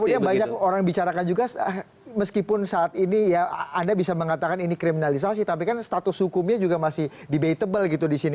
kemudian banyak orang bicarakan juga meskipun saat ini ya anda bisa mengatakan ini kriminalisasi tapi kan status hukumnya juga masih debatable gitu di sini